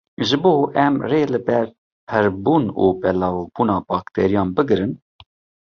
Ji bo em rê li ber pirbûn û belavbûna bakterîyan bigirin.